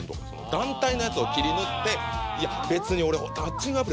団体のやつを切り抜いて「別に俺マッチングアプリ